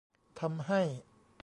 ทำให้